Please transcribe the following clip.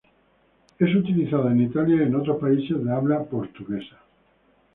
Es utilizado en Italia y en otros países de habla portuguesa.